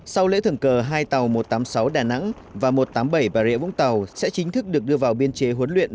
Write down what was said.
sau lễ thượng cờ hai tàu một trăm tám mươi sáu đà nẵng và một trăm tám mươi bảy bà rịa vũng tàu sẽ chính thức được đưa vào biên chế huấn luyện